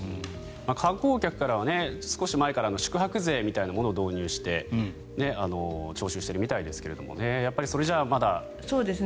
観光客からは少し前から宿泊税みたいなものを導入して徴収しているみたいですけどそれじゃあまだね。